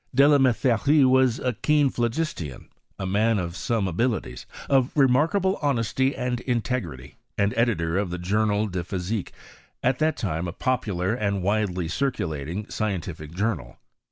Delametherie was a keen phlogistian, a man of some abilities, of remarkable honesty and integrity, and editor of the Journal de Physique, at that time a popular and widely circulating scientific journal.